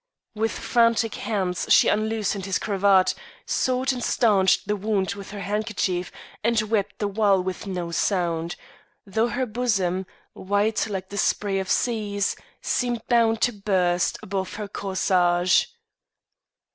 With frantic hands she unloosed his cravat, sought and staunched the wound with her handkerchief, and wept the while with no sound, though her bosom, white like the spray of seas, seemed bound to burst above her corsage.